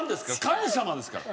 神様ですから！